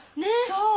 そう。